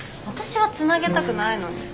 私は繋げたくないのに。